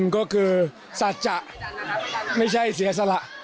ก็คือสัจจะไม่ใช่เสียสละ